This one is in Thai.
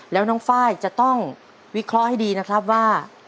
แล้วน้องไฟล์จะต้องวิเคราะห์ให้ดีนะครับว่า